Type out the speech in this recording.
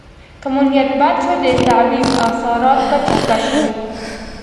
که مو نیت بد شو د تعویض اثرات به چپه شي.